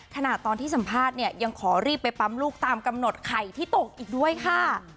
ขณะตอนที่สัมภาษณ์เนี่ยยังขอรีบไปปั๊มลูกตามกำหนดไข่ที่ตกอีกด้วยค่ะ